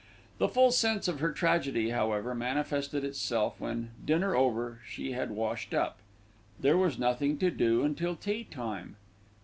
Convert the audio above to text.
The full sense of her tragedy, however, manifested itself when, dinner over, she had washed up. There was nothing to do until tea time.